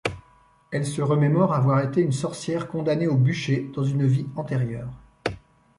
Elle se remémore avoir été une sorcière condamnée au bûcher dans une vie antérieure.